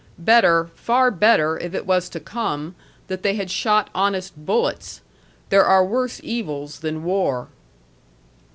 Better, far better, if it was to come, that they had shot honest bullets. There are worse evils than war."